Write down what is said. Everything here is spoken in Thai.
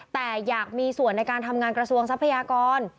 แต่อยากมีส่วนในการทำงานกระทรวงทรัพยากร